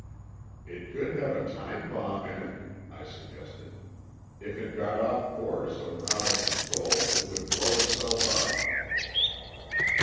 "It could have a time bomb in it," I suggested. "if it got off course or out of control, it would blow itself up."